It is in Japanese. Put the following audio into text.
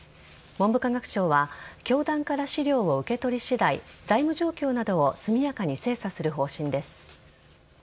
文部科学省は教団から資料を受け取り次第財務状況などを速やかに精査する方針です。